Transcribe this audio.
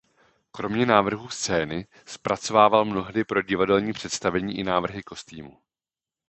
Kromě návrhů scény zpracovával mnohdy pro divadelní představení i návrhy kostýmů.